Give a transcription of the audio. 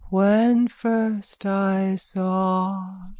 _ When first I saw...